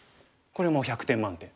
これもう１００点満点。